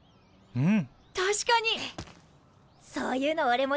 うん！